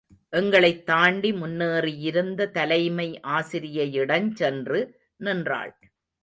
எங்களைத் தாண்டி முன்னேயிருந்த தலைமை ஆசிரியையிடஞ் சென்று நின்றாள்.